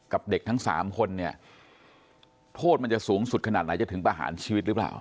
เด็กทั้ง๓คนเนี่ยโทษมันจะสูงสุดขนาดไหนจะถึงประหารชีวิตหรือเปล่า